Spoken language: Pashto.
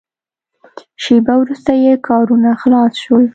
شېبه وروسته یې کارونه خلاص شول.